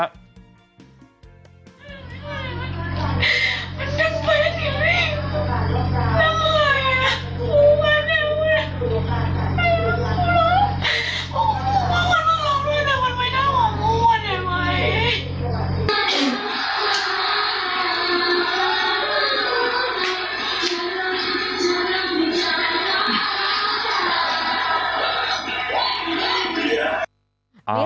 โห้มันมาร้องด้วยแต่มันไม่ได้หัวกูอ่ะได้ไหม